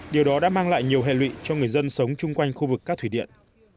điều đó đã mang lại nhiều hệ lụy cho người dân sống chung quanh khu vực các thủy điện